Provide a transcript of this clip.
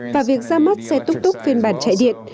và việc ra mắt xe túc túc phiên bản chạy điện